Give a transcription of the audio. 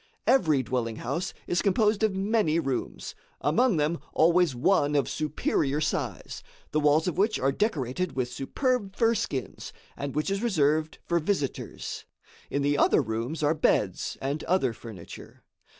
Every dwelling house is composed of many rooms; among them always one of superior size, the walls of which are decorated with superb fur skins, and which is reserved for visitors. In the other rooms are beds and other furniture.